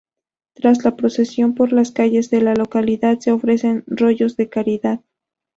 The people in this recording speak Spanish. Tras la procesión por las calles de la localidad se ofrecen rollos de caridad.